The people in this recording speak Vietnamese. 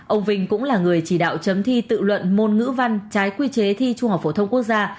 ông vinh cũng là người chỉ đạo chấm thi tự luận môn ngữ văn trái quy chế thi trung học phổ thông quốc gia